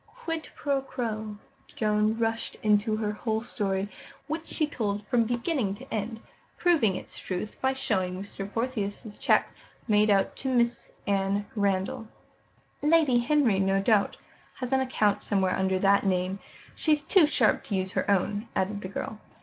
"Quid pro quo." Joan rushed into her whole story, which she told from beginning to end, proving its truth by showing Mr. Portheous' cheque made out to Mrs. Anne Randall. "Lady Henry, no doubt, has an account somewhere under that name. She's too sharp to use her own," added the girl.